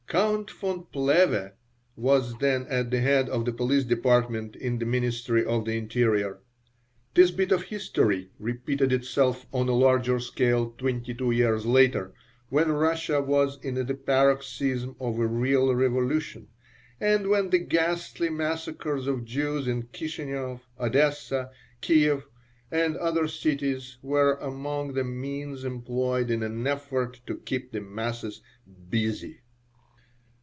Count von Plehve was then at the head of the Police Department in the Ministry of the Interior. This bit of history repeated itself, on a larger scale, twenty two years later, when Russia was in the paroxysm of a real revolution and when the ghastly massacres of Jews in Kishineff, Odessa, Kieff, and other cities were among the means employed in an effort to keep the masses "busy."